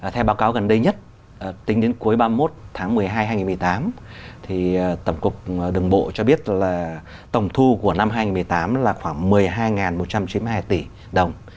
theo báo cáo gần đây nhất tính đến cuối ba mươi một tháng một mươi hai hai nghìn một mươi tám tổng thu của năm hai nghìn một mươi tám là khoảng một mươi hai một trăm chín mươi hai tỷ đồng